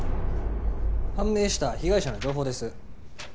判明した被害者の情報です